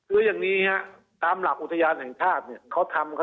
วางแพะตามหลักอุทยานนะครับ